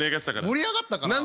盛り上がったかな？